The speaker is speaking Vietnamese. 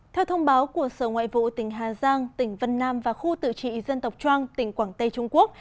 theo thông báo của sở ngoại vụ tỉnh hà giang tỉnh vân nam và khu tự trị dân tộc trang tỉnh quảng tây trung quốc